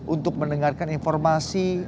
untuk mendengarkan informasi